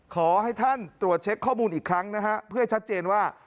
ขอให้ท่านตรวจเช็คข้อมูลอีกครั้งนะฮะเพื่อให้ชัดเจนว่า